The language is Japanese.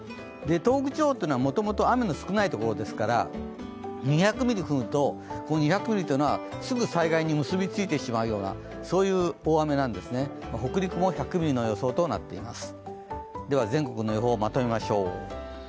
東北地方はもともと雨の少ない所ですから２００ミリ降ると、この２００ミリはすぐ災害に結びついてしまうようなそういう大雨なんですね、北陸も１００ミリの予想になっています。